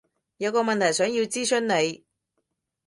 有個問題想要諮詢你